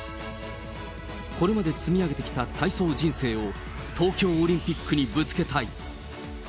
これまで積み上げてきた体操人生を、東京オリンピックにぶつけたい。